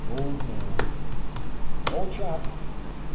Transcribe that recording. "Old man!" "Old chap."